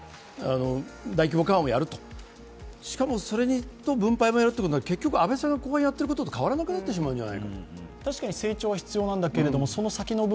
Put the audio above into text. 大規模緩和もやると、それと分配もやるということになると結局、安倍さんがやってることと変わらなくなってしまうんじゃないかと。